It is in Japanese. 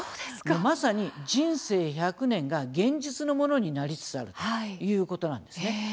まさに、人生１００年が現実のものになりつつあるということなんですね。